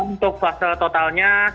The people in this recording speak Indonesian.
untuk fase totalnya